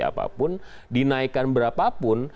apapun dinaikkan berapapun